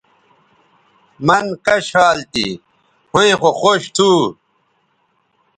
مَن کش حال تھی ھویں خو خوش تھو